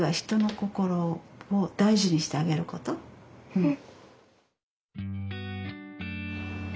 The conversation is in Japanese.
うん。